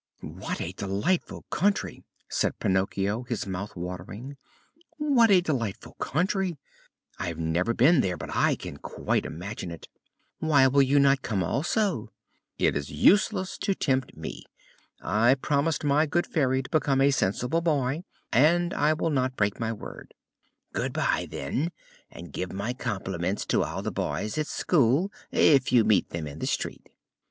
"What a delightful country!" said Pinocchio, his mouth watering. "What a delightful country! I have never been there, but I can quite imagine it." "Why will you not come also?" "It is useless to tempt me. I promised my good Fairy to become a sensible boy, and I will not break my word." "Good bye, then, and give my compliments to all the boys at school, if you meet them in the street."